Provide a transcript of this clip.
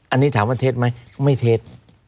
อันนี้ถามว่าเทศมั้ยไม่เทศ